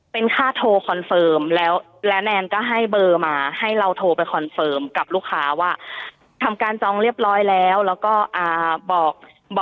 เป็นค่าโทรคอนเฟิร์มแล้วและแนนก็ให้เบอร์มาให้เราโทรไปคอนเฟิร์มกับลูกค้าว่าทำการจองเรียบร้อยแล้วแล้วก็บอก